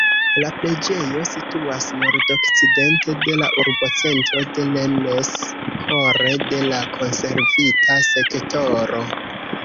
La preĝejo situas nordokcidente de la urbocentro de Rennes, kore de la konservita sektoro.